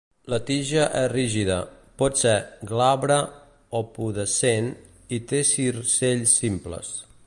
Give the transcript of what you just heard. La tija és rígida, pot ser glabre o pubescent i té circells simples.